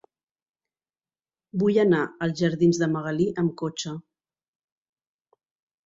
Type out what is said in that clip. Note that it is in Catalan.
Vull anar als jardins de Magalí amb cotxe.